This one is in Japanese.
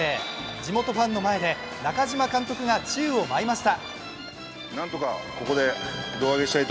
地元ファンの前で中嶋監督が宙を舞いました。